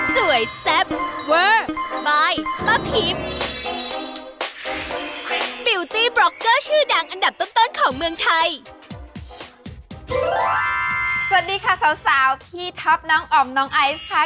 สวัสดีค่ะสาวที่ท็อปน้องอ๋อมน้องไอซ์ค่ะ